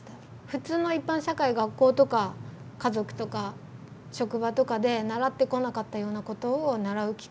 普通の一般社会学校とか家族とか職場とかで習ってこなかったようなことを習う機会になった。